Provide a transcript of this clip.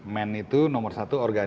man itu nomor satu